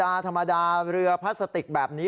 เรือธรรมดาเพื่อเรือพลาสติกแบบนี้